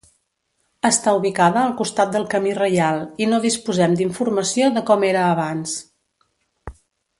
Està ubicada al costat del camí reial i no disposem d'informació de com era abans.